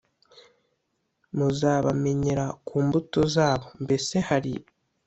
Muzabamenyera ku mbuto zabo Mbese hari